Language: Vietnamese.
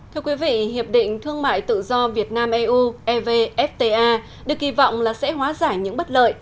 thưa quý vị hiệp định thương mại tự do việt nam eu evfta được kỳ vọng là sẽ hóa giải những bất lợi